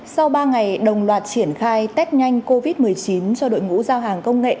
sau ba ngày đồng loạt triển khai test nhanh covid một mươi chín cho đội ngũ giao hàng công nghệ